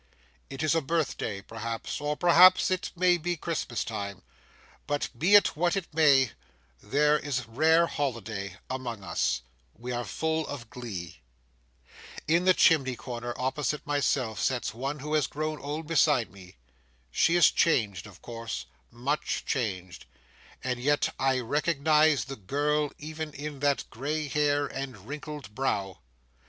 It is a birthday, perhaps, or perhaps it may be Christmas time; but be it what it may, there is rare holiday among us; we are full of glee. In the chimney comer, opposite myself, sits one who has grown old beside me. She is changed, of course; much changed; and yet I recognise the girl even in that gray hair and wrinkled brow.